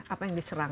apa yang diserang